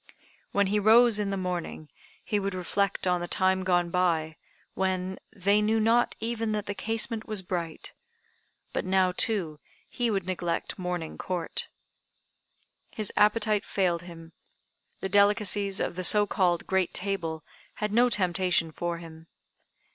When he rose in the morning he would reflect on the time gone by when "they knew not even that the casement was bright." But now, too, he would neglect "Morning Court." His appetite failed him. The delicacies of the so called "great table" had no temptation for him.